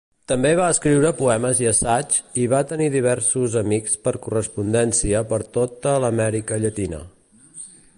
També va escriure poemes i assaigs, i va tenir diversos amics per correspondència per tota l'Amèrica Llatina.